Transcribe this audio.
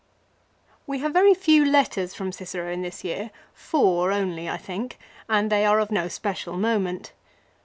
We have very few letters from Cicero in this year, four only I think, and they are of no special moment.